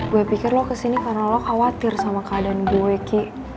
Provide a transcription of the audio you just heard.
gue pikir lo kesini karena lo khawatir sama keadaan gue kik